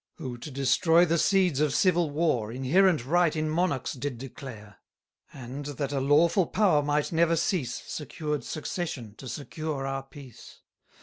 Who, to destroy the seeds of civil war, Inherent right in monarchs did declare: And, that a lawful power might never cease, Secured succession to secure our peace.